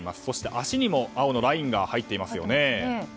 そして、足にも青のラインが入っていますよね。